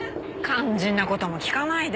肝心な事も聞かないで。